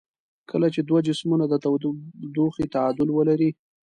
کله چې دوه جسمونه د تودوخې تعادل ولري.